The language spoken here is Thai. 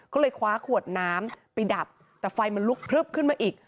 ก็เลยคว้าขวดน้ำไปดับแต่ไฟมันลุกพลึบขึ้นมาอีก